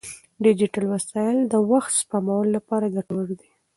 ډیجیټل وسایل د وخت سپمولو لپاره ګټور دي.